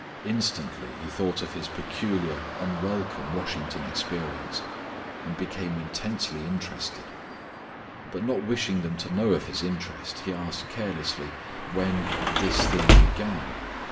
Instantly he thought of his peculiar unwelcome Washington experience, and became intensely interested. But not wishing them to know of his interest, he asked carelessly when "this thing began."